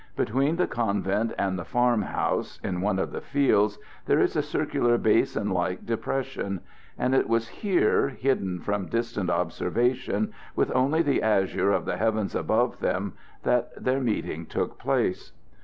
Between the convent and the farm house, in one of the fields, there is a circular, basin like depression; and it was here, hidden from distant observation, with only the azure of the heavens above them, that their meeting took place.